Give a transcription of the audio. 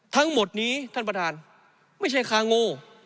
ทั้งหมดนี้ท่านประธานไม่ใช่คาโง